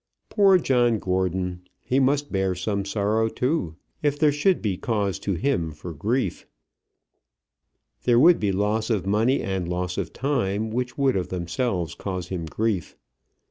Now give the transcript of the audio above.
Poor John Gordon! He must bear some sorrow too, if there should be cause to him for grief. There would be loss of money, and loss of time, which would of themselves cause him grief.